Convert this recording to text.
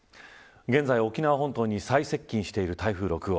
現在沖縄本島に最接近してる台風６号。